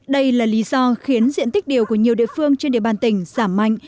đây là lý do khiến diện tích điều của nhiều địa phương trên địa bàn tỉnh giảm mạnh